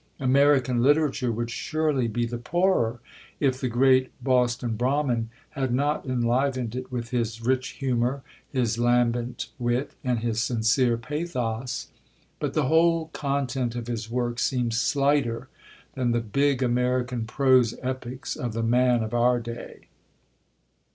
American Literature would surely be the poorer if the great Boston Brahmin had not enlivened it with his rich humour, his lambent wit, and his sincere pathos; but the whole content of his work seems slighter than the big American prose epics of the man of our day.